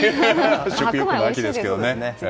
食欲の秋ですからね。